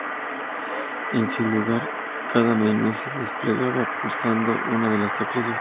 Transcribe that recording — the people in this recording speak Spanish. En su lugar, cada menú se desplegaba pulsando una de las teclas de función.